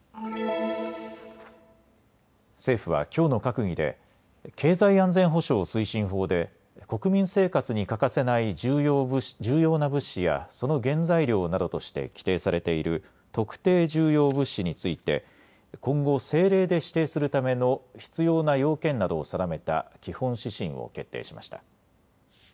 政府はきょうの閣議で経済安全保障推進法で国民生活に欠かせない重要な物資やその原材料などとして規定されている特定重要物資について今後、政令で指定するための必要な要件などを定めた基本指針を決定しました。